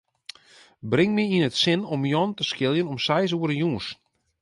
Bring my yn it sin om Jan te skiljen om seis oere jûns.